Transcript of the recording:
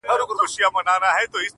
ستا په سترگو کي سندري پيدا کيږي.